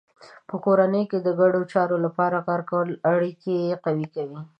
په کورنۍ کې د ګډو چارو لپاره کار کول اړیکې قوي کوي.